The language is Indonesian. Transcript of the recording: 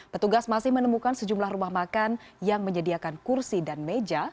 petugas masih menemukan sejumlah rumah makan yang menyediakan kursi dan meja